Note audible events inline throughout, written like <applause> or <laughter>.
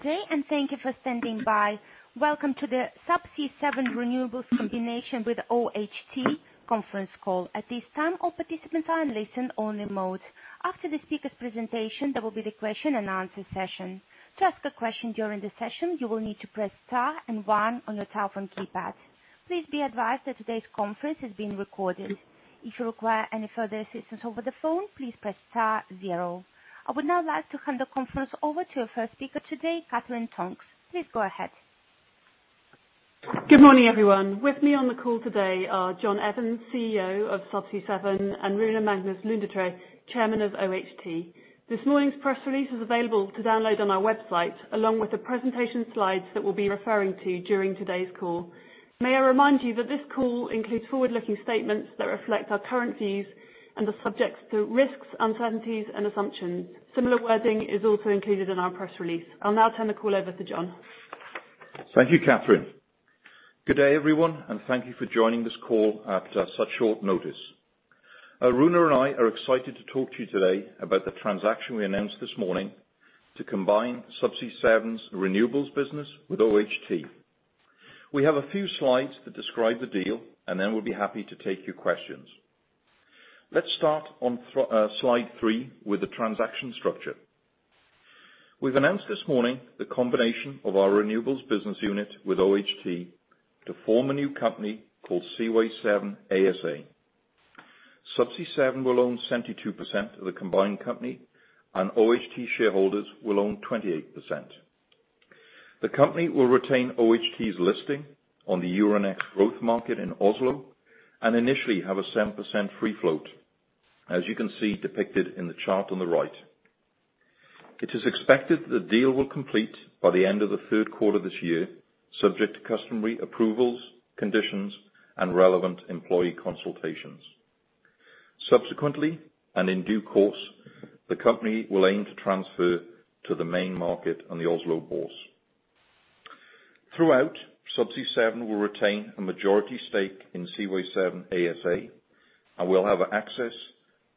Good day, and thank you for standing by. Welcome to the Subsea 7 renewables combination with OHT conference call. At this time, all participants are in listen only mode. After the speaker presentation, there will be the question and answer session. To ask a question during the session, you will need to press star and one on your telephone keypad. Please be advised that today's conference is being recorded. If you require any further assistance over the phone, please press star zero. I would now like to hand the conference over to our first speaker today, Katherine Tonks. Please go ahead. Good morning, everyone. With me on the call today are John Evans, CEO of Subsea 7, and Rune Magnus Lundetræ, Chairman of OHT. This morning's press release is available to download on our website, along with the presentation slides that we'll be referring to during today's call. May I remind you that this call includes forward-looking statements that reflect our current views and are subject to risks, uncertainties, and assumptions. Similar wording is also included in our press release. I'll now turn the call over to John. Thank you, Katherine. Good day, everyone, and thank you for joining this call after such short notice. Rune and I are excited to talk to you today about the transaction we announced this morning to combine Subsea 7's renewables business with OHT. We have a few slides that describe the deal, and then we'll be happy to take your questions. Let's start on slide three with the transaction structure. We've announced this morning the combination of our renewables business unit with OHT to form a new company called Seaway 7 ASA. Subsea 7 will own 72% of the combined company, and OHT shareholders will own 28%. The company will retain OHT's listing on the Euronext Growth Market in Oslo and initially have a 7% free float, as you can see depicted in the chart on the right. It is expected the deal will complete by the end of the third quarter this year, subject to customary approvals, conditions, and relevant employee consultations. Subsequently, and in due course, the company will aim to transfer to the main market on the Oslo Bors. Throughout, Subsea 7 will retain a majority stake in Seaway 7 ASA, and we'll have access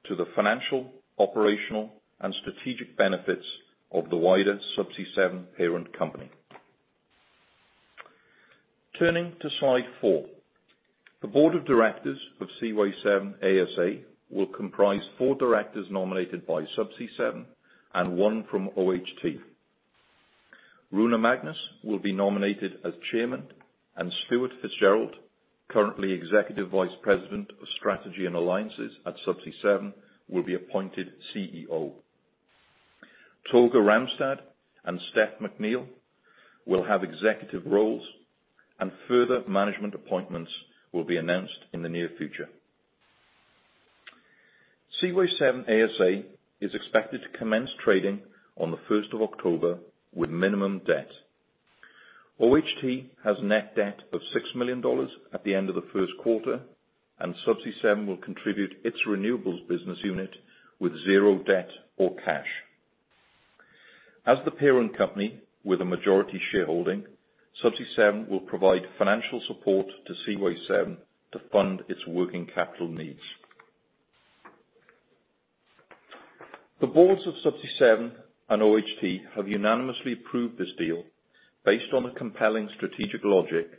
to the financial, operational, and strategic benefits of the wider Subsea 7 parent company. Turning to slide four, the board of directors of Seaway 7 ASA will comprise four directors nominated by Subsea 7 and one from OHT. Rune Magnus will be nominated as Chairman, and Stuart Fitzgerald, currently Executive Vice President of Strategy and Alliances at Subsea 7, will be appointed CEO. Torgeir Ramstad and Steph McNeill will have executive roles, and further management appointments will be announced in the near future. Seaway 7 ASA is expected to commence trading on the 1st of October with minimum debt. OHT has net debt of $6 million at the end of the first quarter, and Subsea 7 will contribute its renewables business unit with zero debt or cash. As the parent company with a majority shareholding, Subsea 7 will provide financial support to Seaway 7 to fund its working capital needs. The boards of Subsea 7 and OHT have unanimously approved this deal based on the compelling strategic logic,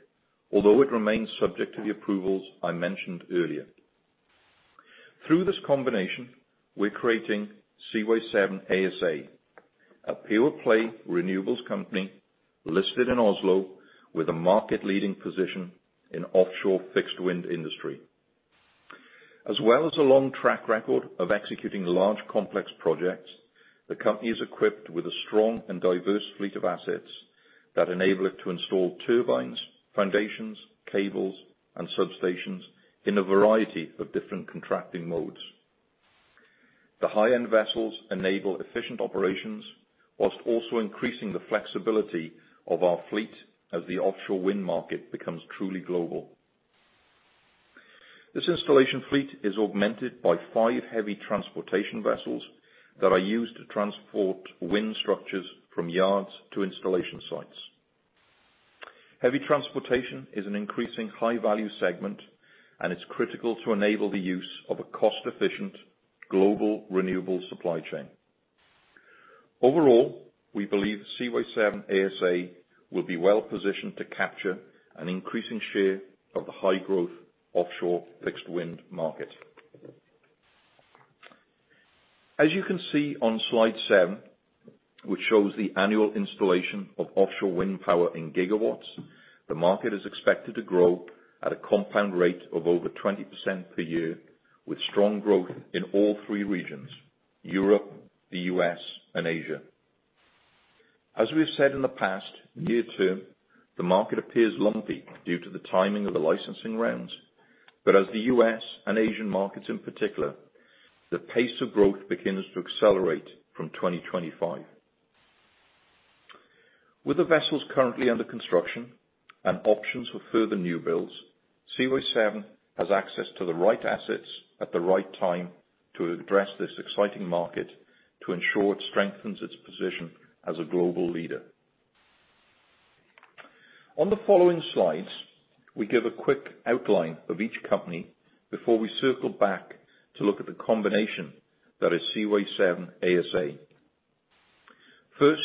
although it remains subject to the approvals I mentioned earlier. Through this combination, we're creating Seaway 7 ASA, a pure-play renewables company listed in Oslo with a market-leading position in offshore fixed-wind industry. As well as a long track record of executing large, complex projects, the company is equipped with a strong and diverse fleet of assets that enable it to install turbines, foundations, cables, and substations in a variety of different contracting modes. The high-end vessels enable efficient operations while also increasing the flexibility of our fleet as the offshore wind market becomes truly global. This installation fleet is augmented by five heavy transportation vessels that are used to transport wind structures from yards to installation sites. Heavy transportation is an increasing high-value segment, and it's critical to enable the use of a cost-efficient global renewable supply chain. Overall, we believe Seaway 7 ASA will be well-positioned to capture an increasing share of the high-growth offshore fixed-wind market. As you can see on slide seven, which shows the annual installation of offshore wind power in gigawatts, the market is expected to grow at a compound rate of over 20% per year, with strong growth in all three regions, Europe, the U.S., and Asia. As we've said in the past, near-term, the market appears lumpy due to the timing of the licensing rounds, but as the U.S. and Asian markets in particular, the pace of growth begins to accelerate from 2025. With the vessels currently under construction and options for further new builds, Seaway 7 has access to the right assets at the right time to address this exciting market to ensure it strengthens its position as a global leader. On the following slides, we give a quick outline of each company before we circle back to look at the combination that is Seaway 7 ASA. First,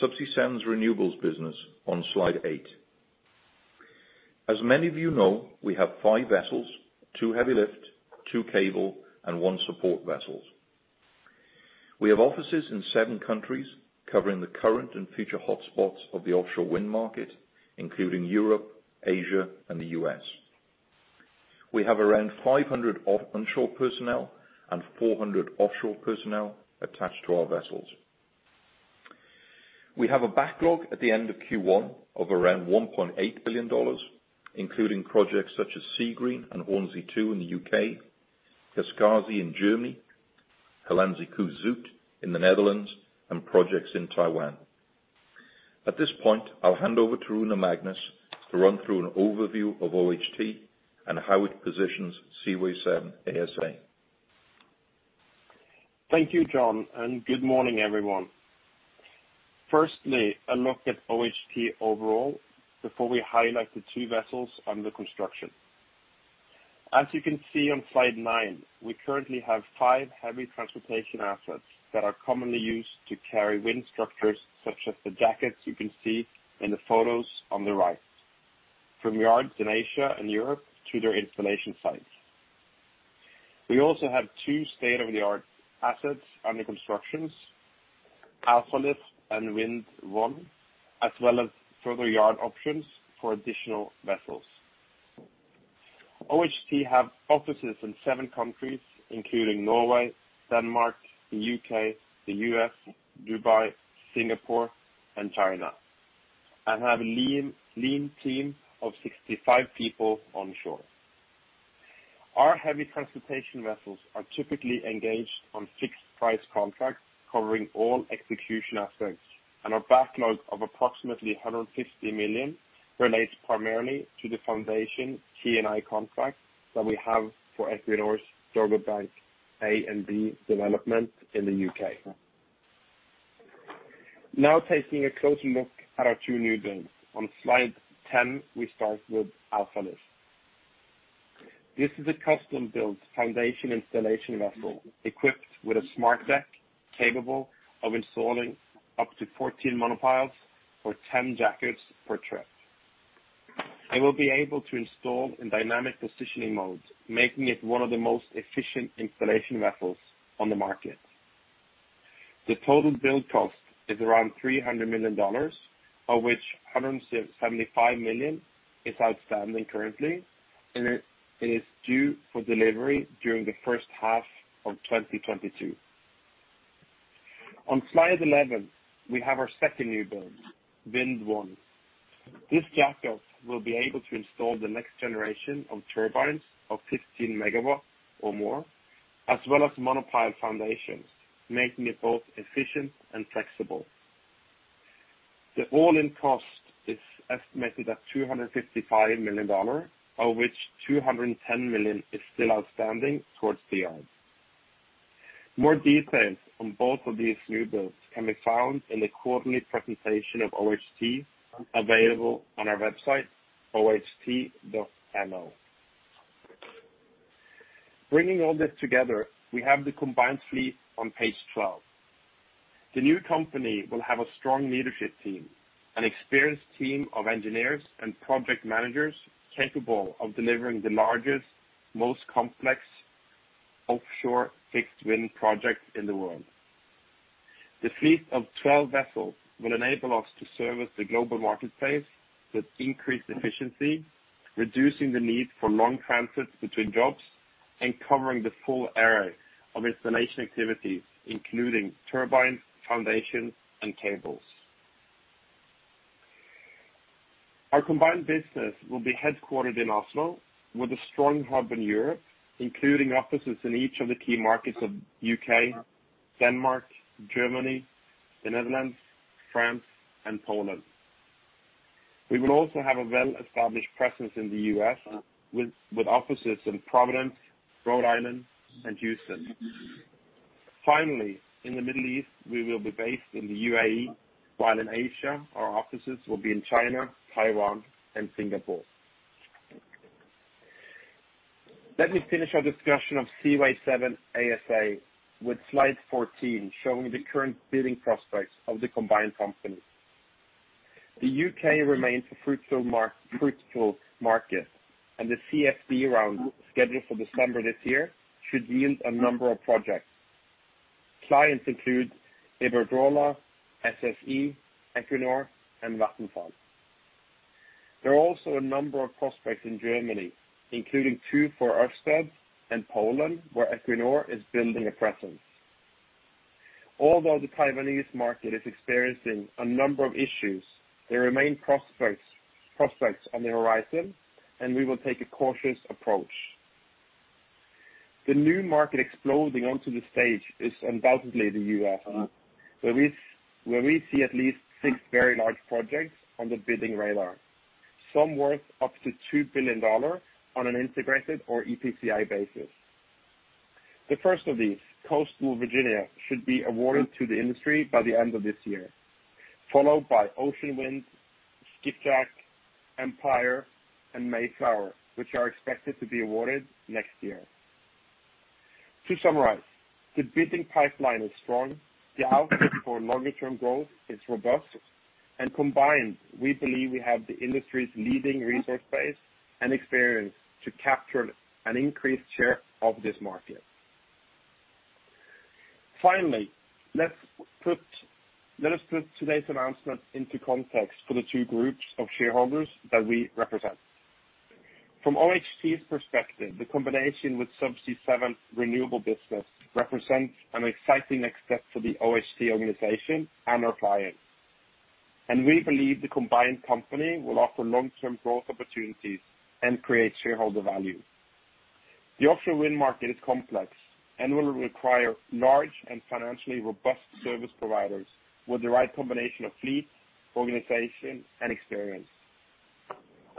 Subsea 7's renewables business on slide eight. As many of you know, we have five vessels, two heavy lift, two cable, and one support vessels. We have offices in seven countries covering the current and future hotspots of the offshore wind market, including Europe, Asia, and the U.S. We have around 500 onshore personnel and 400 offshore personnel attached to our vessels. We have a backlog at the end of Q1 of around $1.8 billion, including projects such as Seagreen and Hornsea 2 in the U.K., Kaskasi in Germany, Hollandse Kust Zuid in the Netherlands, and projects in Taiwan. At this point, I'll hand over to Rune Magnus to run through an overview of OHT and how it positions Seaway 7 ASA. Thank you, John, and good morning, everyone. Firstly, a look at OHT overall before we highlight the two vessels under construction. As you can see on slide nine, we currently have five heavy transportation assets that are commonly used to carry wind structures, such as the jackets you can see in the photos on the right from yard in Asia and Europe to their installation site. We also have two state-of-the-art assets under constructions, Alfa Lift and Vind 1, as well as further yard options for additional vessels. OHT have offices in seven countries, including Norway, Denmark, the U.K., the U.S., Dubai, Singapore, and China, and have a lean team of 65 people onshore. Our heavy transportation vessels are typically engaged on fixed price contracts covering all execution aspects. Our backlog of approximately $150 million relates primarily to the foundation T&I contracts that we have for Equinor's Dogger Bank A and B development in the U.K. Taking a closer look at our two new builds. On slide 10, we start with Alfa Lift. This is a custom-built foundation installation vessel equipped with a smart deck capable of installing up to 14 monopiles or 10 jackets per trip, and will be able to install in dynamic positioning modes, making it one of the most efficient installation vessels on the market. The total build cost is around $300 million, of which $175 million is outstanding currently. It is due for delivery during the first half of 2022. On slide 11, we have our second new build, Vind 1. This jackup will be able to install the next generation of turbines of 15 MW or more, as well as monopile foundations, making it both efficient and flexible. The all-in cost is estimated at $255 million, of which $210 million is still outstanding towards the yard. More details on both of these new builds can be found in the quarterly presentation of OHT available on our website, oht.no. Bringing all this together, we have the combined fleet on page 12. The new company will have a strong leadership team, an experienced team of engineers and project managers capable of delivering the largest, most complex offshore fixed wind projects in the world. The fleet of 12 vessels will enable us to service the global marketplace with increased efficiency, reducing the need for long transits between jobs and covering the full array of installation activities, including turbines, foundations, and cables. Our combined business will be headquartered in Oslo with a strong hub in Europe, including offices in each of the key markets of U.K., Denmark, Germany, the Netherlands, France, and Poland. We will also have a well-established presence in the U.S. with offices in Providence, Rhode Island, and Houston. Finally, in the Middle East, we will be based in the UAE, while in Asia our offices will be in China, Taiwan, and Singapore. Let me finish our discussion of Seaway 7 ASA with slide 14 showing the current bidding prospects of the combined company. The U.K. remains a fruitful market, and the CfD round scheduled for December this year should yield a number of projects. Clients include Iberdrola, SSE, Equinor, and Vattenfall. There are also a number of prospects in Germany, including two for Ørsted and Poland, where Equinor is building a presence. Although the Taiwanese market is experiencing a number of issues, there remain prospects on the horizon, and we will take a cautious approach. The new market exploding onto the stage is undoubtedly the U.S., where we see at least six very large projects on the bidding radar, some worth up to $2 billion on an integrated or EPCI basis. The first of these, Coastal Virginia, should be awarded to the industry by the end of this year, followed by Ocean Wind, Skipjack, Empire, and Mayflower, which are expected to be awarded next year. To summarize, the bidding pipeline is strong, the outlook for longer-term growth is robust, and combined, we believe we have the industry's leading resource base and experience to capture an increased share of this market. Finally, let us put today's announcement into context for the two groups of shareholders that we represent. From OHT's perspective, the combination with Subsea 7 renewable business represents an exciting next step for the OHT organization and our clients. We believe the combined company will offer long-term growth opportunities and create shareholder value. The offshore wind market is complex and will require large and financially robust service providers with the right combination of fleet, organization, and experience.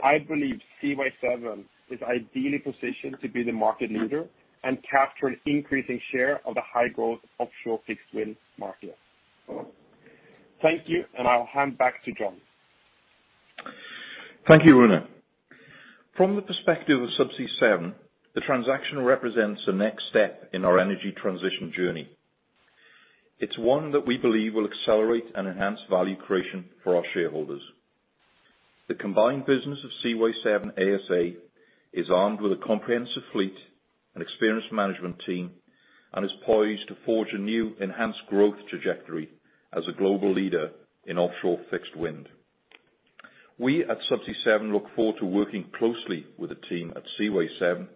I believe Seaway 7 is ideally positioned to be the market leader and capture an increasing share of the high-growth offshore fixed wind market. Thank you, and I'll hand back to John. Thank you, Rune. From the perspective of Subsea 7, the transaction represents the next step in our energy transition journey. It's one that we believe will accelerate and enhance value creation for our shareholders. The combined business of Seaway 7 ASA is armed with a comprehensive fleet, an experienced management team, and is poised to forge a new enhanced growth trajectory as a global leader in offshore fixed wind. We at Subsea 7 look forward to working closely with the team at Seaway 7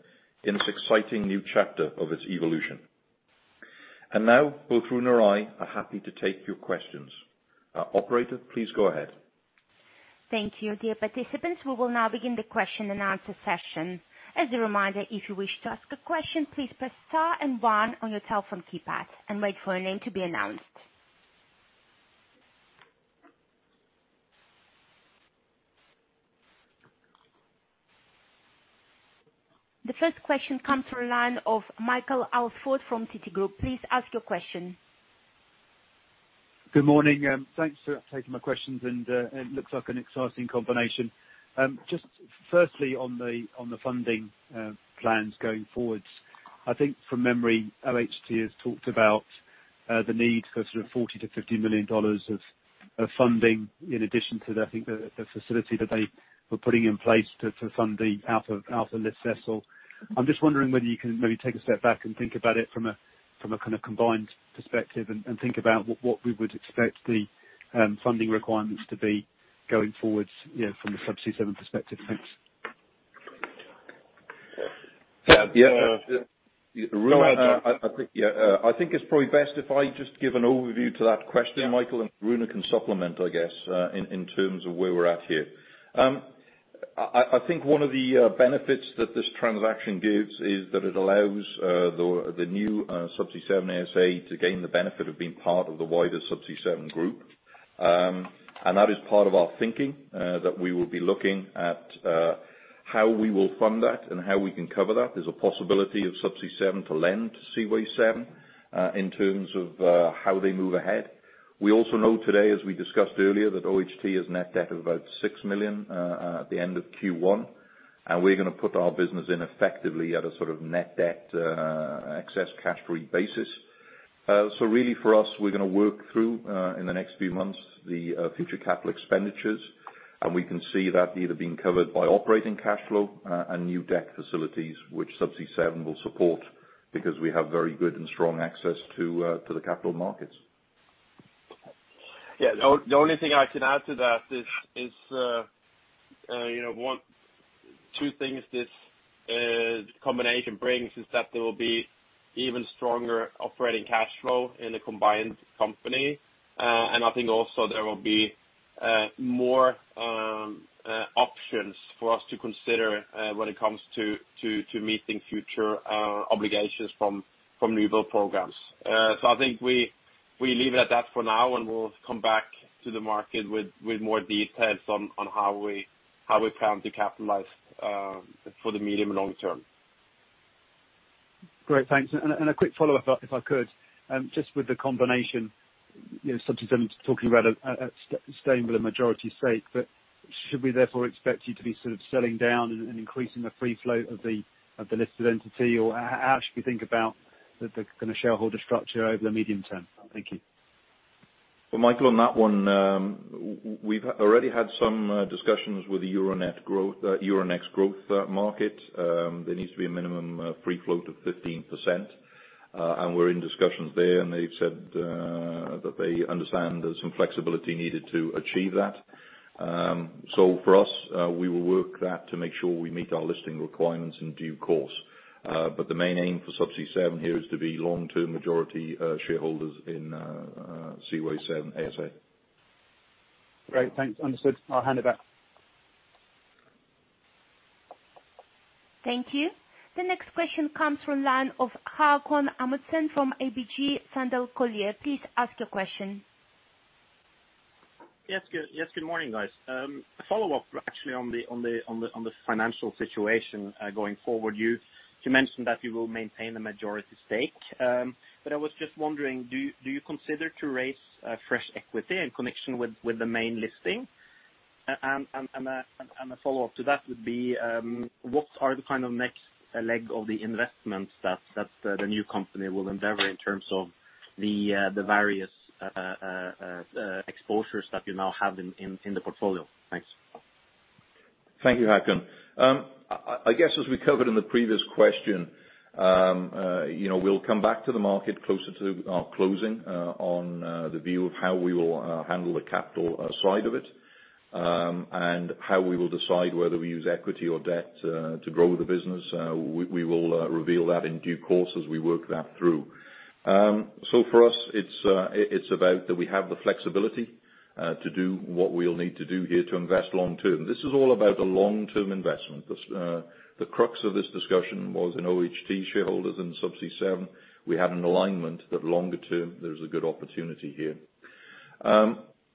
in this exciting new chapter of its evolution. Now, both Rune and I are happy to take your questions. Operator, please go ahead. Thank you. Dear participants, we will now begin the question and answer session. As a reminder, if you wish to ask a question, please press star and one on your telephone keypad and wait for your name to be announced. The first question comes from the line of Michael Alsford from Citigroup. Please ask your question. Good morning, thanks for taking my questions. It looks like an exciting combination. Just firstly on the funding plans going forward, I think from memory, OHT has talked about the need for $40 million - $50 million of funding in addition to, I think, the facility that they were putting in place to fund the Alfa Lift vessel. I'm just wondering whether you can maybe take a step back and think about it from a kind of combined perspective, and think about what we would expect the funding requirements to be going forward, from the Subsea 7 perspective. Thanks. Rune, I think it's probably best if I just give an overview to that question, Michael, and Rune can supplement, I guess, in terms of where we're at here. I think one of the benefits that this transaction gives is that it allows the new Subsea 7 ASA to gain the benefit of being part of the wider Subsea 7 Group. That is part of our thinking, that we will be looking at how we will fund that and how we can cover that. There's a possibility of Subsea 7 to lend to Seaway 7, in terms of how they move ahead. We also know today, as we discussed earlier, that OHT has net debt of about $6 million at the end of Q1. We're going to put our business in effectively at a sort of net debt excess cash free basis. Really for us, we're going to work through, in the next few months, the future CapEx, and we can see that either being covered by operating cash flow and new debt facilities, which Subsea 7 will support because we have very good and strong access to the capital markets. Yeah. The only thing I can add to that is two things this combination brings is that there will be even stronger operating cash flow in the combined company. I think also there will be more options for us to consider when it comes to meeting future obligations from renewable programs. I think we leave it at that for now, and we'll come back to the market with more details on how we plan to capitalize for the medium long term. Great. Thanks. A quick follow-up, if I could. Just with the combination, Subsea 7 talking about staying with a majority stake, but should we therefore expect you to be sort of selling down and increasing the free float of the listed entity, or how should we think about the kind of shareholder structure over the medium term? Thank you. Well, Michael, on that one, we've already had some discussions with the Euronext Growth market. There needs to be a minimum free float of 15%, and we're in discussions there, and they've said that they understand there's some flexibility needed to achieve that. For us, we will work at that to make sure we meet our listing requirements in due course. The main aim for Subsea 7 here is to be long-term majority shareholders in Seaway 7 ASA. Great. Thanks. Understood. I'll hand it back. Thank you. The next question comes from the line of Haakon Amundsen from ABG Sundal Collier. Please ask your question. Good morning, guys. A follow-up actually on the financial situation going forward. You mentioned that you will maintain the majority stake. I was just wondering, do you consider to raise fresh equity in connection with the main listing? A follow-up to that would be, what are the next leg of the investments that the new company will endeavor in terms of the various exposures that you now have in the portfolio? Thanks. Thank you, Haakon. I guess as we covered in the previous question, we'll come back to the market closer to our closing on the view of how we will handle the capital side of it, and how we will decide whether we use equity or debt to grow the business. We will reveal that in due course as we work that through. For us, it's about that we have the flexibility to do what we'll need to do here to invest long-term. This is all about the long-term investment. The crux of this discussion was in OHT shareholders and Subsea 7, we had an alignment that longer-term, there's a good opportunity here.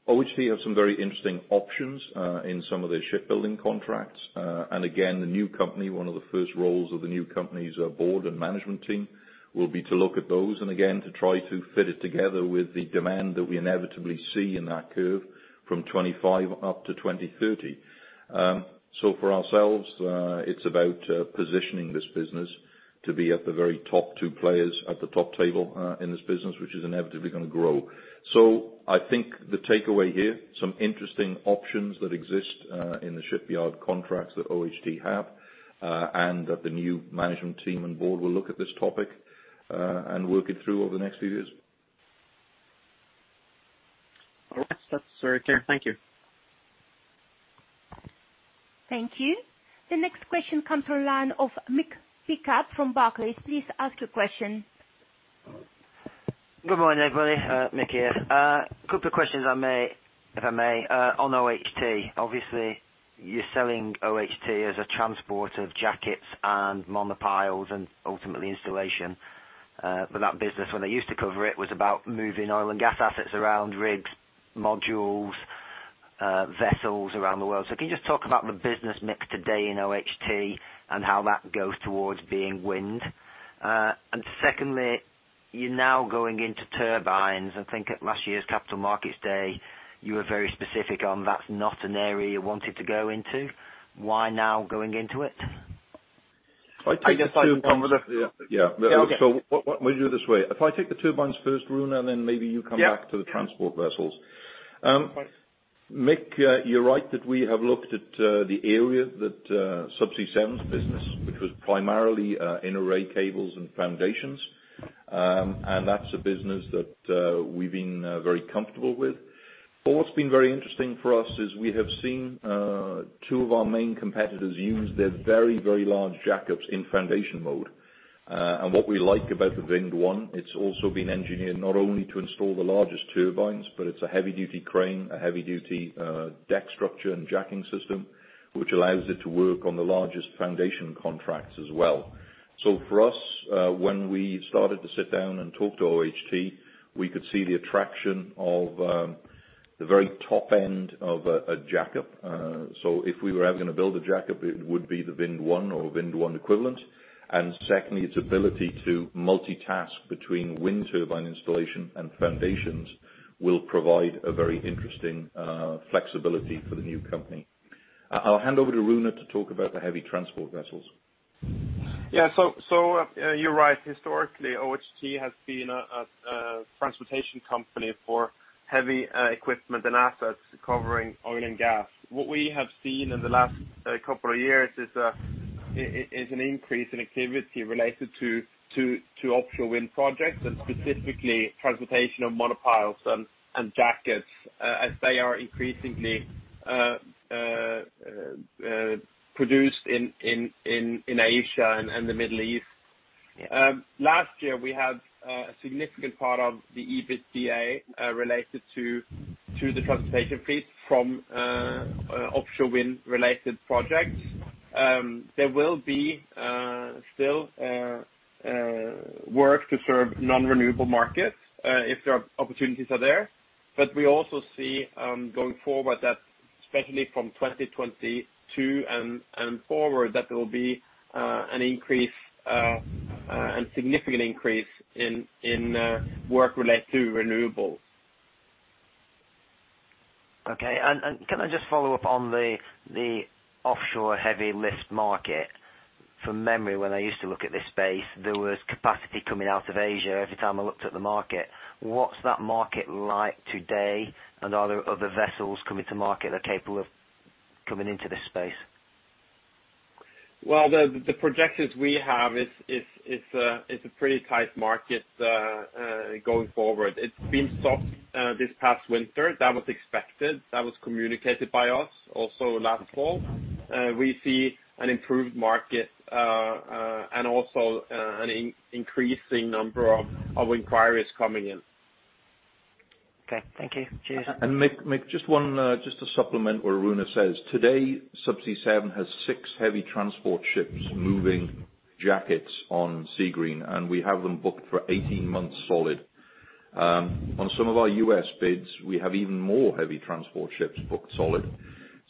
OHT have some very interesting options in some of their shipbuilding contracts. And again, the new company, one of the first roles of the new company's board and management team will be to look at those, and again, to try to fit it together with the demand that we inevitably see in that curve from 2025 up to 2030. For ourselves, it's about positioning this business to be at the very top two players at the top table in this business, which is inevitably going to grow. I think the takeaway here, some interesting options that exist in the shipyard contracts that OHT have, and that the new management team on board will look at this topic, and work it through over the next few years. All right. That's very clear. Thank you. Thank you. The next question comes from the line of Mick Pickup from Barclays. Please ask your question. Good morning, everybody. Mick here. Couple of questions if I may, on OHT. You're selling OHT as a transporter of jackets and monopiles and ultimately installation. That business, when I used to cover it, was about moving oil and gas assets around rigs, modules, vessels around the world. Can you just talk about the business mix today in OHT and how that goes towards being wind? Secondly, you're now going into turbines. I think at last year's Capital Markets Day, you were very specific on that's not an area you wanted to go into. Why now going into it? If I take the two-- <crosstalk> We'll do it this way. If I take the turbines first, Rune, maybe you come back to the transport vessels. Yeah. Mick Pickup, you're right that we have looked at the area that Subsea 7's business, which was primarily in array cables and foundations. That's a business that we've been very comfortable with. What's been very interesting for us is we have seen two of our main competitors use their very, very large jackups in foundation mode. What we like about the Vind 1, it's also been engineered not only to install the largest turbines, but it's a heavy duty crane, a heavy duty deck structure and jacking system, which allows it to work on the largest foundation contracts as well. For us, when we started to sit down and talk to OHT, we could see the attraction of the very top end of a jackup. If we were ever going to build a jackup, it would be the Vind 1 or Vind 1 equivalent. Secondly, its ability to multitask between wind turbine installation and foundations will provide a very interesting flexibility for the new company. I'll hand over to Rune to talk about the heavy transport vessels. Yeah. You're right. Historically, OHT has been a transportation company for heavy equipment and assets covering oil and gas. What we have seen in the last couple of years is an increase in activity related to offshore wind projects, and specifically transportation of monopiles and jackets as they are increasingly produced in Asia and the Middle East. Last year, we had a significant part of the EBITDA related to the transportation fleet from offshore wind-related projects. There will be still work to serve non-renewable markets, if the opportunities are there. We also see, going forward, especially from 2022 and forward, that there will be a significant increase in work related to renewable. Okay. Can I just follow up on the offshore heavy lift market? From memory, when I used to look at this space, there was capacity coming out of Asia every time I looked at the market. What's that market like today, and are there other vessels coming to market that are capable of coming into this space? Well, the projections we have, it's a pretty tight market going forward. It's been soft this past winter. That was expected. That was communicated by us also last fall. We see an improved market, and also an increasing number of inquiries coming in. Okay. Thank you. Cheers. Mick, just to supplement what Rune says, today, Subsea 7 has six heavy transport ships moving jackets on Seagreen, and we have them booked for 18 months solid. On some of our U.S. bids, we have even more heavy transport ships booked solid.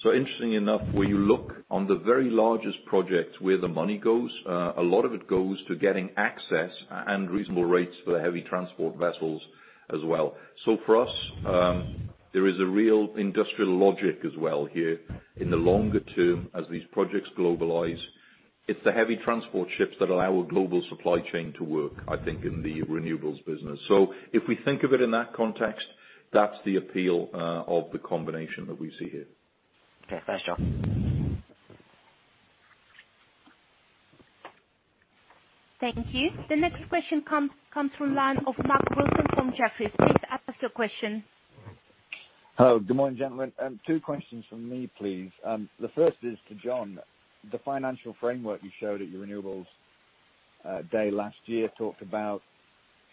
Interestingly enough, when you look on the very largest projects where the money goes, a lot of it goes to getting access and reasonable rates for the heavy transport vessels as well. For us, there is a real industrial logic as well here in the longer term as these projects globalize. It's the heavy transport ships that allow a global supply chain to work, I think, in the renewables business. If we think of it in that context, that's the appeal of the combination that we see here. Okay, thanks John. Thank you. The next question comes from the line of Mark Wilson from Jefferies. Please ask your question. Hello. Good morning, gentlemen. Two questions from me, please. The first is to John. The financial framework you showed at your renewables day last year talked about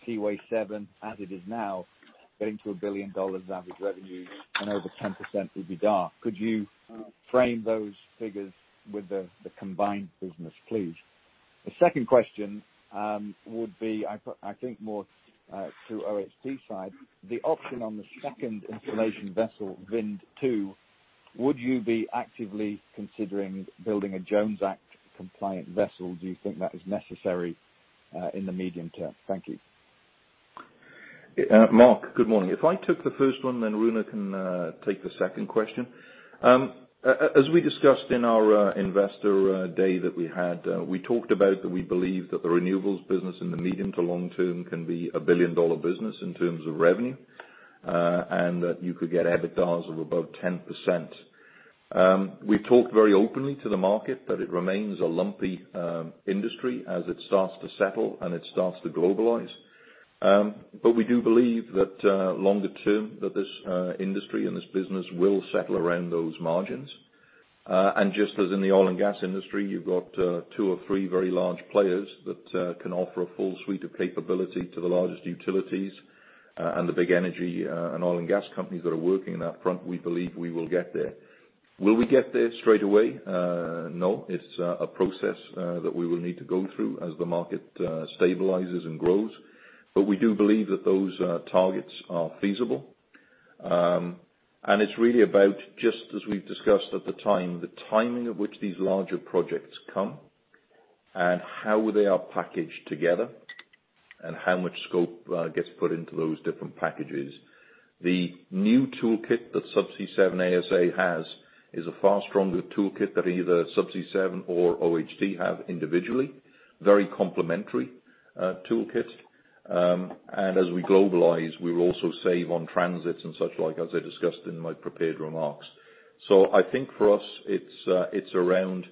Seaway 7 as it is now, getting to a $1 billion average revenue and over 10% EBITDA. Could you frame those figures with the combined business, please? The second question would be, I think more to OHT side. The option on the second installation vessel, Vind 2, would you be actively considering building a Jones Act compliant vessel? Do you think that is necessary in the medium term? Thank you. Mark, good morning. If I took the first one, then Rune can take the second question. As we discussed in our investor day that we had, we talked about that we believe that the renewables business in the medium to long term can be a billion-dollar business in terms of revenue, and that you could get EBITDA of above 10%. We talked very openly to the market that it remains a lumpy industry as it starts to settle and it starts to globalize. We do believe that longer term, that this industry and this business will settle around those margins. Just as in the oil and gas industry, you've got two or three very large players that can offer a full suite of capability to the largest utilities and the big energy and oil and gas companies that are working on that front, we believe we will get there. Will we get there straight away? No, it's a process that we will need to go through as the market stabilizes and grows. We do believe that those targets are feasible. It's really about, just as we've discussed at the time, the timing of which these larger projects come and how they are packaged together, and how much scope gets put into those different packages. The new toolkit that Subsea 7 ASA has is a far stronger toolkit than either Subsea 7 or OHT have individually. Very complementary toolkit. As we globalize, we will also save on transits and such like, as I discussed in my prepared remarks. I think for us, it's around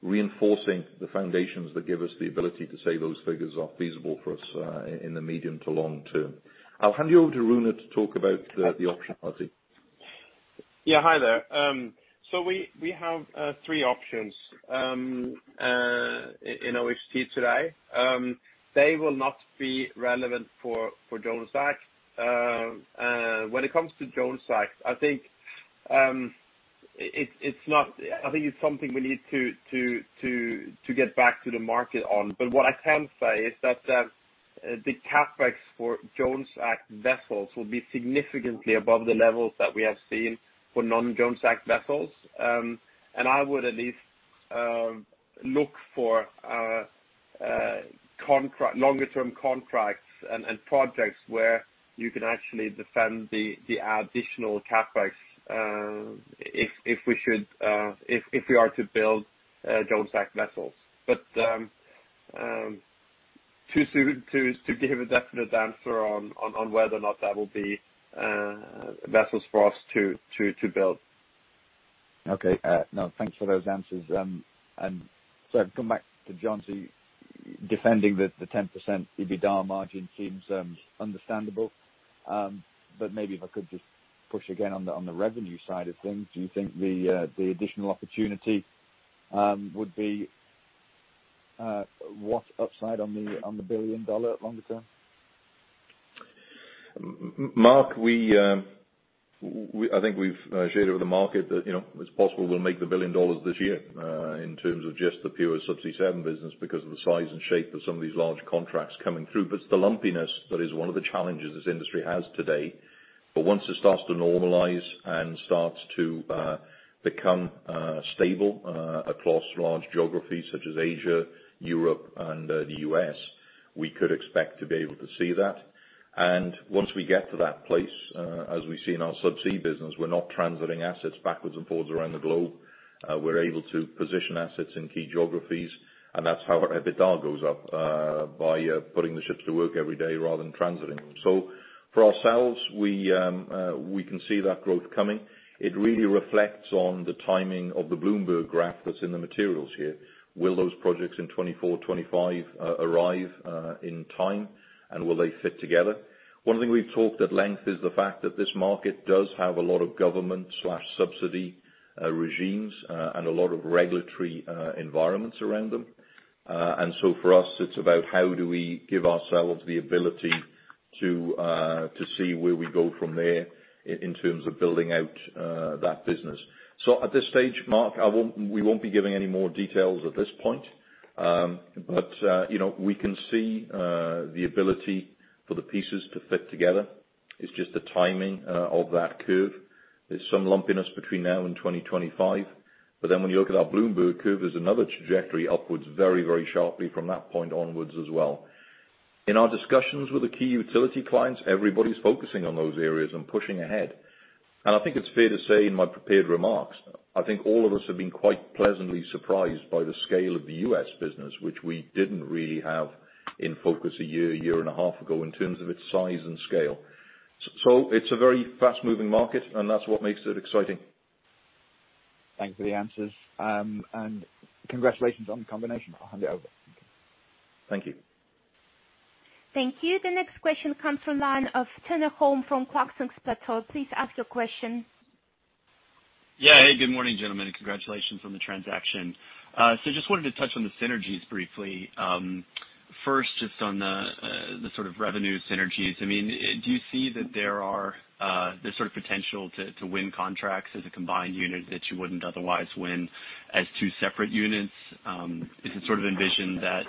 reinforcing the foundations that give us the ability to say those figures are feasible for us in the medium to long term. I'll hand you over to Rune to talk about the option part. Yeah, hi there. We have three options in OHT today. They will not be relevant for Jones Act. When it comes to Jones Act, I think it's something we need to get back to the market on. What I can say is that the CapEx for Jones Act vessels will be significantly above the levels that we have seen for non-Jones Act vessels. I would at least look for longer term contracts and projects where you can actually defend the additional CapEx, if we are to build Jones Act vessels. Too soon to give a definite answer on whether or not that will be vessels for us to build. Okay. No, thanks for those answers. Going back to John, defending the 10% EBITDA margin seems understandable, but maybe if I could just push again on the revenue side of things. Do you think the additional opportunity would be what upside on the billion-dollar longer term? Mark, I think we've shared with the market that it's possible we'll make the $1 billion this year in terms of just the pure Subsea 7 business because of the size and shape of some of these large contracts coming through. It's the lumpiness that is one of the challenges this industry has today. Once it starts to normalize and starts to become stable across large geographies such as Asia, Europe, and the U.S., we could expect to be able to see that. Once we get to that place, as we see in our Subsea business, we're not transiting assets backwards and forwards around the globe. We're able to position assets in key geographies, and that's how our EBITDA goes up, by putting the ships to work every day rather than transiting them. For ourselves, we can see that growth coming. It really reflects on the timing of the Bloomberg graph that's in the materials here. Will those projects in 2024, 2025 arrive in time, and will they fit together? One thing we've talked at length is the fact that this market does have a lot of government/subsidy regimes and a lot of regulatory environments around them. For us, it's about how do we give ourselves the ability to see where we go from there in terms of building out that business. At this stage, Mark, we won't be giving any more details at this point. We can see the ability for the pieces to fit together. It's just the timing of that curve. There's some lumpiness between now and 2025. When you look at that Bloomberg curve, there's another trajectory upwards very sharply from that point onwards as well. In our discussions with the key utility clients, everybody's focusing on those areas and pushing ahead. I think it's fair to say in my prepared remarks, I think all of us have been quite pleasantly surprised by the scale of the U.S. business, which we didn't really have in focus a year, 1.5 years ago, in terms of its size and scale. It's a very fast-moving market, and that's what makes it exciting. Thank you for the answers. Congratulations on the combination. I will hand you over. Thank you. Thank you. The next question comes from the line of Turner Holm from Clarksons Platou. Please ask your question. Yeah. Hey, good morning, gentlemen. Congratulations on the transaction. Just wanted to touch on the synergies briefly. First, just on the sort of revenue synergies. Do you see that there's potential to win contracts as a combined unit that you wouldn't otherwise win as two separate units? You can envision that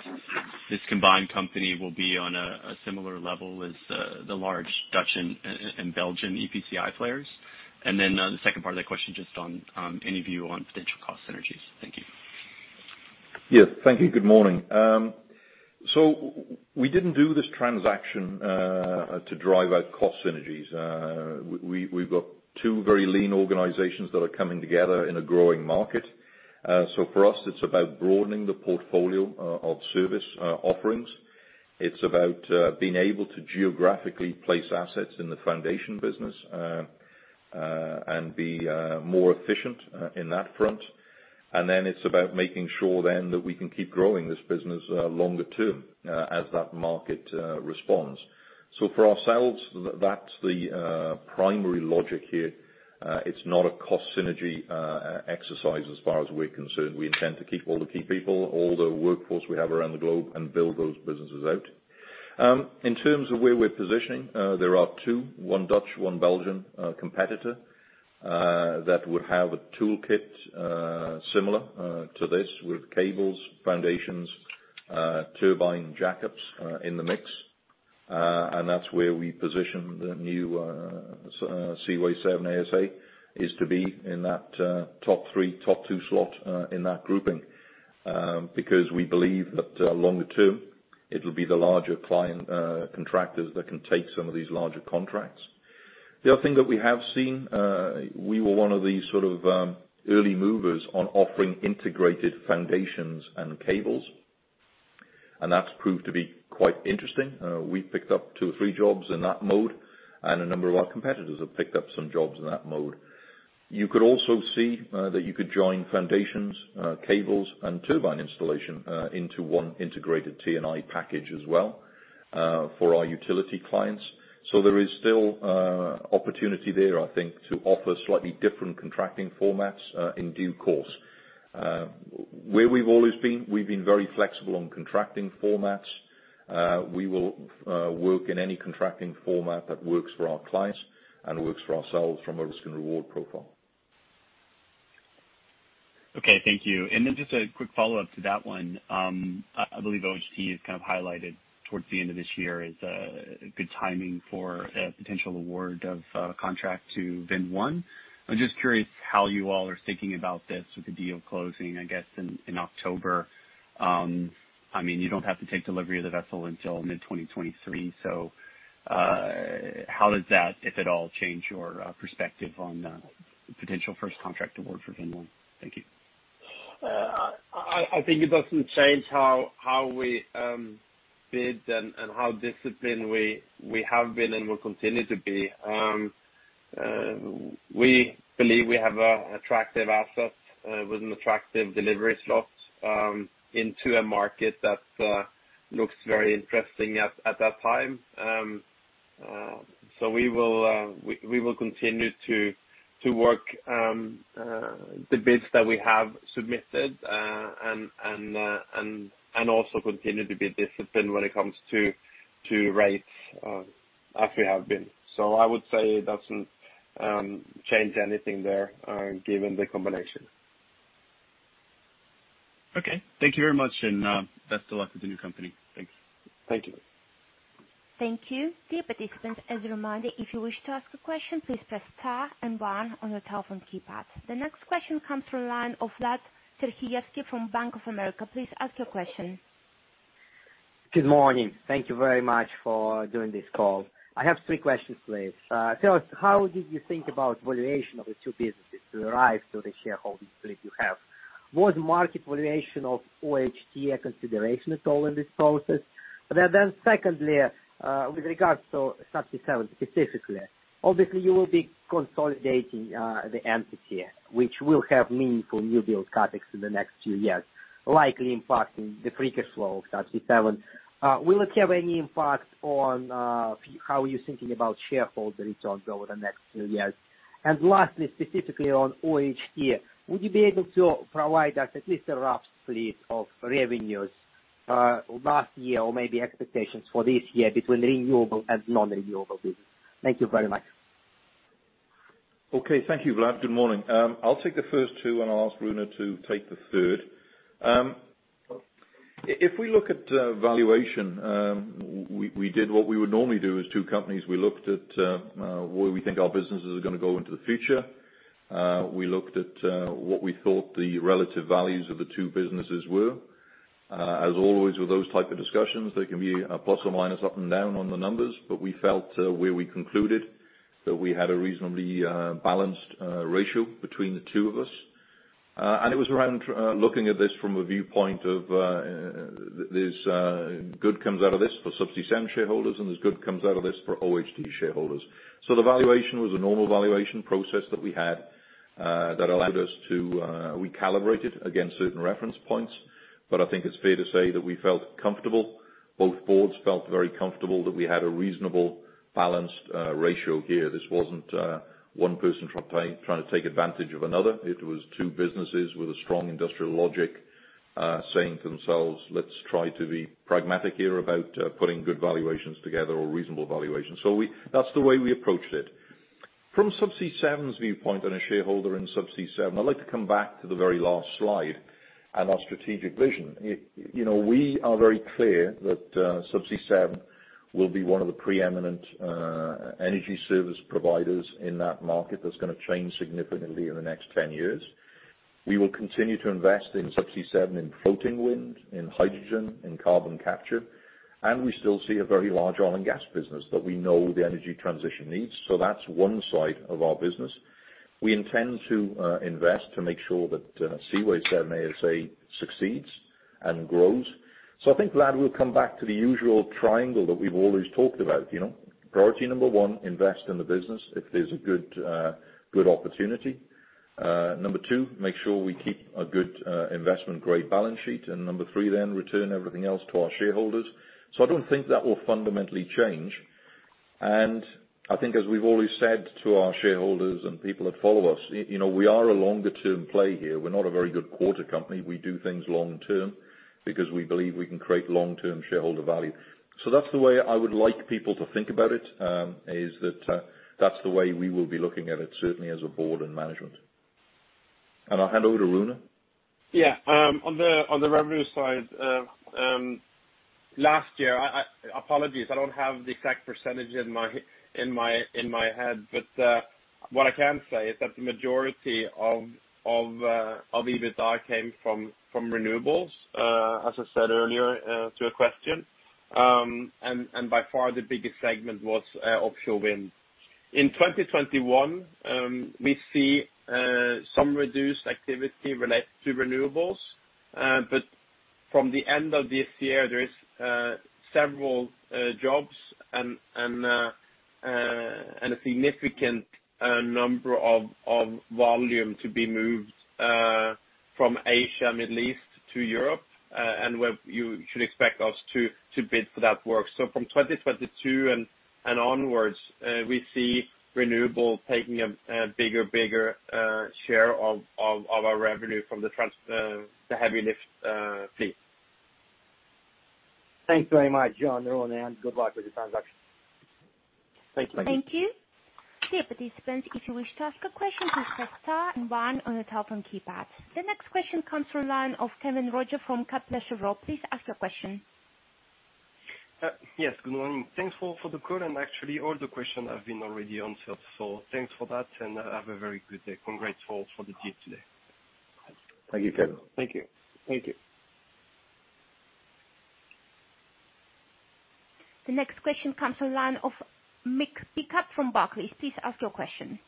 this combined company will be on a similar level as the large Dutch and Belgian EPCI players? The second part of the question, just on any view on potential cost synergies. Thank you. Yeah. Thank you. Good morning. We didn't do this transaction to drive out cost synergies. We've got two very lean organizations that are coming together in a growing market. For us, it's about broadening the portfolio of service offerings. It's about being able to geographically place assets in the foundation business, and be more efficient in that front. Then it's about making sure then that we can keep growing this business longer term as that market responds. For ourselves, that's the primary logic here. It's not a cost synergy exercise as far as we're concerned. We intend to keep all the key people, all the workforce we have around the globe and build those businesses out. In terms of where we are positioning, there are two, one Dutch, one Belgian competitor, that would have a toolkit similar to this with cables, foundations, turbine jackups in the mix. That's where we position the new Seaway 7 ASA is to be in that top three, top two slot in that grouping. We believe that longer term, it'll be the larger client contractors that can take some of these larger contracts. The other thing that we have seen, we were one of the early movers on offering integrated foundations and cables, and that's proved to be quite interesting. We picked up two or three jobs in that mode, and a number of our competitors have picked up some jobs in that mode. You could also see that you could join foundations, cables, and turbine installation into one integrated T&I package as well for our utility clients. There is still opportunity there, I think, to offer slightly different contracting formats in due course. Where we've always been, we've been very flexible on contracting formats. We will work in any contracting format that works for our clients and works for ourselves from a risk and reward profile. Okay. Thank you. Just a quick follow-up to that one. I believe OHT has kind of highlighted towards the end of this year is a good timing for a potential award of a contract to Vind 1. I am just curious how you all are thinking about this with the deal closing, I guess, in October. You do not have to take delivery of the vessel until mid-2023. How does that, if at all, change your perspective on the potential first contract award for Vind 1? Thank you. I think it doesn't change how we bid and how disciplined we have been and will continue to be. We believe we have attractive assets with an attractive delivery slot into a market that looks very interesting at that time. We will continue to work the bids that we have submitted and also continue to be disciplined when it comes to rates as we have been. I would say it doesn't change anything there given the combination. Okay. Thank you very much and best of luck to the new company. Thanks. Thank you. Thank you. Dear participants, as a reminder, if you wish to ask a question, please press star and 1 on the telephone keypad. The next question comes from the line of Vlad Sergievskii from Bank of America. Please ask your question. Good morning. Thank you very much for doing this call. I have three questions, please. How did you think about valuation of the two businesses that arise to the shareholders that you have? Was market valuation of OHT a consideration at all in this process? Secondly, with regards to Subsea 7 specifically, obviously you will be consolidating the entity which will have meaningful newbuild CapEx in the next few years, likely impacting the free cash flow of Subsea 7. Will it have any impact on how you're thinking about shareholder returns over the next few years? Lastly, specifically on OHT, would you be able to provide us at least a rough split of revenues last year or maybe expectations for this year between renewable and non-renewable business? Thank you very much. Okay. Thank you, Vlad. Good morning. I'll take the first two, and I'll ask Rune to take the third. If we look at valuation, we did what we would normally do as two companies. We looked at where we think our businesses are going to go into the future. We looked at what we thought the relative values of the two businesses were. As always, with those type of discussions, there can be a plus or minus up and down on the numbers. We felt where we concluded that we had a reasonably balanced ratio between the two of us. It was around looking at this from a viewpoint of there's good comes out of this for Subsea 7 shareholders, and there's good comes out of this for OHT shareholders. The valuation was a normal valuation process that we had that allowed us to recalibrate it against certain reference points. I think it's fair to say that we felt comfortable, both boards felt very comfortable that we had a reasonable, balanced ratio here. This wasn't one person trying to take advantage of another. It was two businesses with a strong industrial logic, saying to themselves, "Let's try to be pragmatic here about putting good valuations together or reasonable valuations." That's the way we approached it. From Subsea 7's viewpoint and a shareholder in Subsea 7, I'd like to come back to the very last slide and our strategic vision. We are very clear that Subsea 7 will be one of the preeminent energy service providers in that market that's going to change significantly in the next 10 years. We will continue to invest in Subsea 7, in floating wind, in hydrogen, in carbon capture, and we still see a very large oil and gas business that we know the energy transition needs. That's one side of our business. We intend to invest to make sure that Seaway 7 ASA succeeds and grows. I think, Vlad, we'll come back to the usual triangle that we've always talked about. Priority number one, invest in the business if there's a good opportunity. Number two, make sure we keep a good investment grade balance sheet. Number three, return everything else to our shareholders. I don't think that will fundamentally change. I think as we've always said to our shareholders and people that follow us, we are a longer-term play here. We're not a very good quarter company. We do things long-term because we believe we can create long-term shareholder value. That's the way I would like people to think about it, is that that's the way we will be looking at it, certainly as a board and management. I'll hand over to Rune. Yeah. On the revenue side, last year, apologies, I don't have the exact percentages in my head. What I can say is that the majority of EBITDA came from renewables, as I said earlier to a question. By far the biggest segment was offshore wind. In 2021, we see some reduced activity related to renewables. From the end of this year, there is several jobs and a significant number of volume to be moved from Asia and Middle East to Europe. You should expect us to bid for that work. From 2022 and onwards, we see renewable taking a bigger share of our revenue from the heavy lift fleet. Thanks very much, everyone, and goodbye for the transaction. Thanks. Thank you. Dear participants, if you wish to ask a question, press star and one on the telephone keypad. The next question comes from the line of Kévin Roger from Kepler Cheuvreux. Please ask your question. Yes. Good morning. Thanks for the call, actually all the questions have been already answered. Thanks for that, have a very good day. Congrats for the deal today. Thank you, Kévin. Thank you. Thank you The next question comes from the line of Mick Pickup from Barclays. Please ask your question.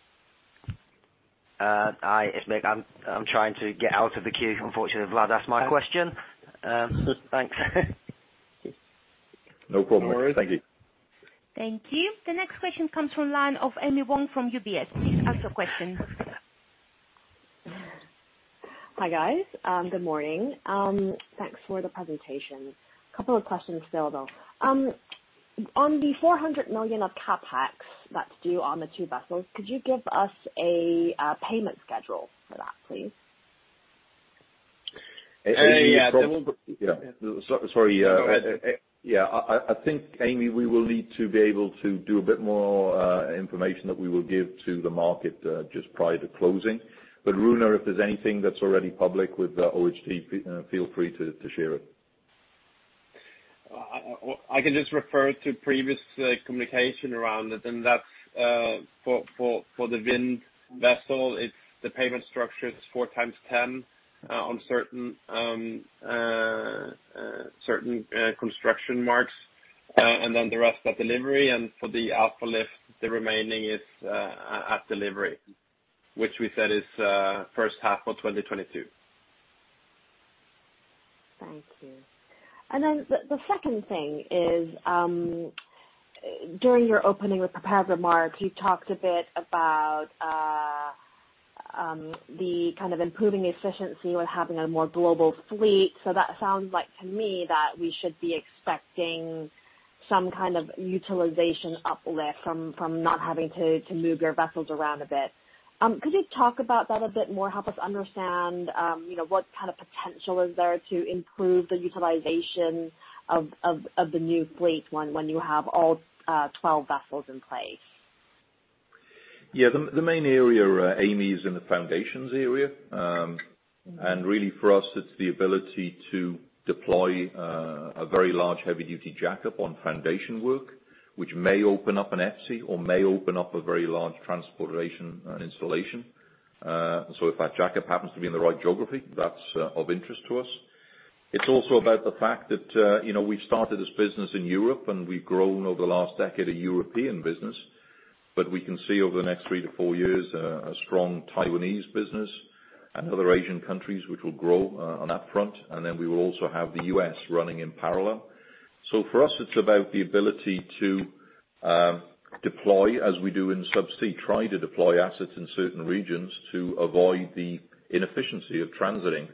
Hi. It's Mick. I'm trying to get out of the queue, unfortunately. I already asked my question. Thanks. <crosstalk> Thank you. The next question comes from the line of Amy Wong from UBS. Please ask your question. Hi, guys. Good morning. Thanks for the presentation. A couple of questions still, though. On the $400 million of CapEx that's due on the two vessels, could you give us a payment schedule for that, please? <crosstalk> sorry. I think, Amy, we will need to be able to do a bit more information that we will give to the market just prior to closing. Rune, if there's anything that's already public with OHT, feel free to share it. I can just refer to previous communication around it, that's for the wind vessel. The payment structure is 4x10 on certain construction marks, then the rest at delivery. For the Alfa Lift, the remaining is at delivery, which we said is first half of 2022. Thank you. The second thing is, during your opening prepared remarks, you talked a bit about the kind of improving efficiency we're having a more global fleet. That sounds like to me that we should be expecting some kind of utilization uplift from not having to move your vessels around a bit. Could you talk about that a bit more, help us understand what kind of potential is there to improve the utilization of the new fleet when you have all 12 vessels in place? Yeah. The main area, Amy, is in the foundations area. Really for us, it's the ability to deploy a very large heavy-duty jackup on foundation work, which may open up an EPC or may open up a very large transportation and installation. If that jackup happens to be in the right geography, that's of interest to us. It's also about the fact that we started this business in Europe, and we've grown over the last decade a European business. We can see over the next three to four years a strong Taiwanese business and other Asian countries, which will grow on that front. We will also have the U.S. running in parallel. For us, it's about the ability to deploy, as we do in Subsea 7, trying to deploy assets in certain regions to avoid the inefficiency of transiting.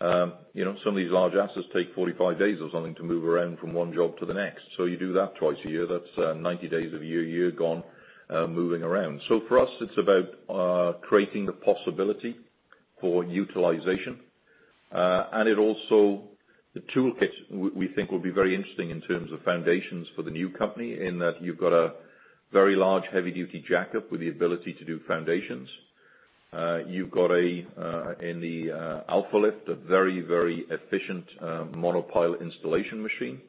Some of these large assets take 45 days or something to move around from one job to the next. You do that twice a year. That's 90 days of your year gone, moving around. For us, it's about creating the possibility for utilization. It also, the toolkit we think will be very interesting in terms of foundations for the new company, in that you've got a very large heavy-duty jackup with the ability to do foundations. You've got, in the Alfa Lift, a very efficient monopile installation machine.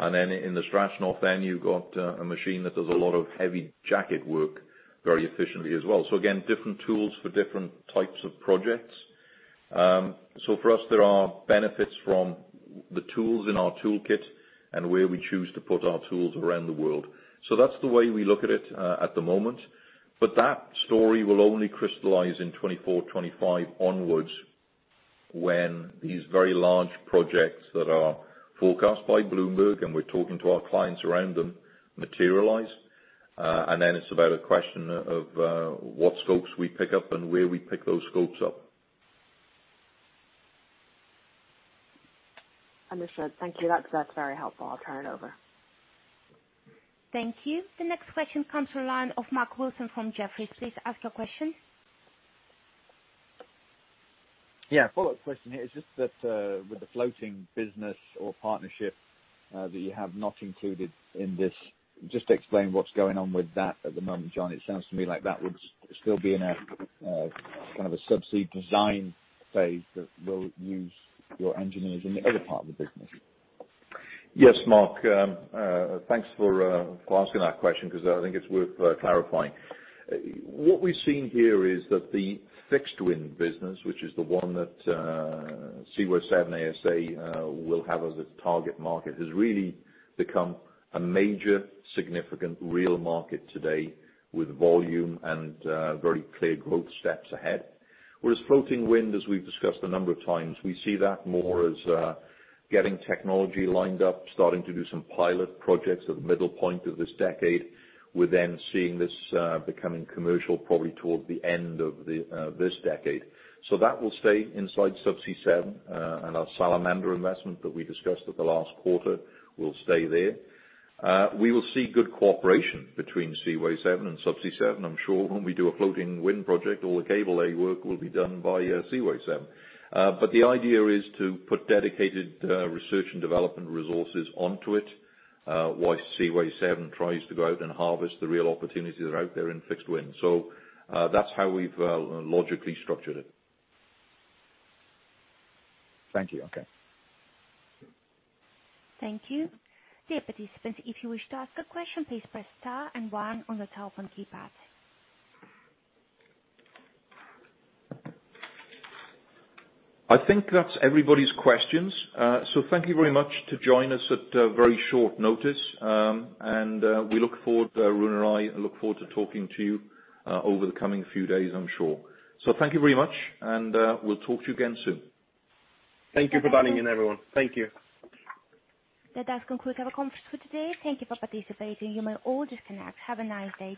Then in the Seaway Strashnov, you've got a machine that does a lot of heavy jacket work very efficiently as well. Again, different tools for different types of projects. For us, there are benefits from the tools in our toolkit and where we choose to put our tools around the world. That's the way we look at it at the moment. That story will only crystallize in 2024, 2025 onwards, when these very large projects that are forecast by Bloomberg, and we're talking to our clients around them, materialize. Then it's about a question of what scopes we pick up and where we pick those scopes up. Understood. Thank you. That's very helpful. I'll turn it over. Thank you. The next question comes to the line of Mark Wilson from Jefferies. Please ask your question. Follow-up question here. Is this that with the floating business or partnership that you have not included in this, just explain what's going on with that at the moment, John. It sounds to me like that would still be in a subsea design phase that will use your engineers in the other part of the business. Yes, Mark. Thanks for asking that question because I think it's worth clarifying. What we're seeing here is that the fixed-wind business, which is the one that Seaway 7 ASA will have as a target market, has really become a major, significant real market today with volume and very clear growth steps ahead. Floating wind, as we've discussed a number of times, we see that more as getting technology lined up, starting to do some pilot projects at the middle point of this decade. We're seeing this becoming commercial probably toward the end of this decade. That will stay inside Subsea 7, and our Salamander investment that we discussed at the last quarter will stay there. We will see good cooperation between Seaway 7 and Subsea 7. I'm sure when we do a floating wind project, all the cable lay work will be done by Seaway 7. The idea is to put dedicated research and development resources onto it, while Seaway 7 tries to go out and harvest the real opportunities that are out there in fixed wind. That's how we've logically structured it. Thank you. Okay. Thank you. Dear participant, if you wish to ask a question, please press star and one on your telephone keypad. I think that's everybody's questions. Thank you very much to join us at very short notice. Rune and I look forward to talking to you over the coming few days, I'm sure. Thank you very much, and we'll talk to you again soon. Thank you for dialing in, everyone. Thank you. That does conclude our conference for today. Thank you for participating. You may all disconnect. Have a nice day.